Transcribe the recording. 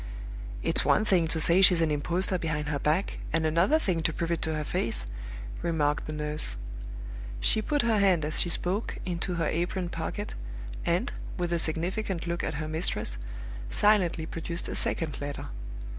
"It's one thing to say she's an impostor behind her back, and another thing to prove it to her face," remarked the nurse. She put her hand as she spoke into her apron pocket, and, with a significant look at her mistress, silently produced a second letter.